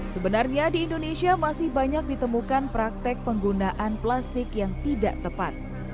sebenarnya di indonesia masih banyak ditemukan praktek penggunaan plastik yang tidak tepat